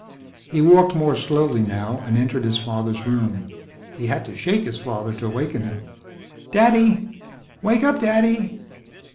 He walked more slowly now and entered his father's room. He had to shake his father to awaken him. "Daddy! Wake up, daddy!"